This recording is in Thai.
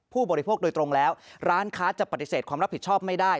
ผู้บริโภคโดยตรงแล้วร้านค้าจะปฏิเสธความรับผิดชอบไม่ได้